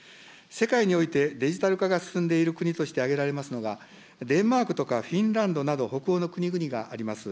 世界において、デジタル化が進んでいる国として挙げられますのが、デンマークとかフィンランドとか北欧の国々があります。